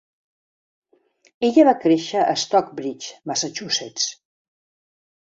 Ella va créixer a Stockbridge, Massachusetts.